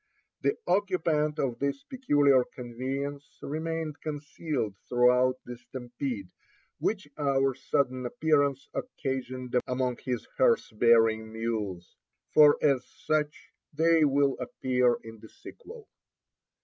The occupant of this peculiar conveyance remained concealed throughout the stampede which our sudden appearance occasioned among his hearse bearing mules, for as such they will appear in the sequel.